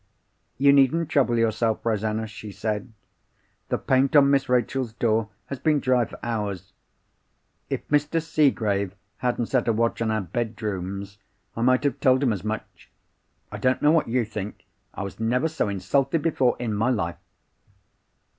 "'You needn't trouble yourself, Rosanna,' she said. 'The paint on Miss Rachel's door has been dry for hours. If Mr. Seegrave hadn't set a watch on our bedrooms, I might have told him as much. I don't know what you think—I was never so insulted before in my life!